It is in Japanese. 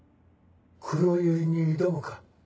黒百合に挑むか。